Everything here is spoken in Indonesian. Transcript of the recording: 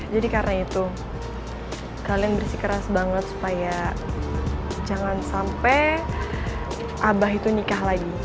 jadi karena itu kalian bersih keras banget supaya jangan sampai abah itu nikah lagi